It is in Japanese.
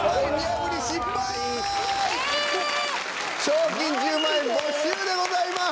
賞金１０万円没収でございます。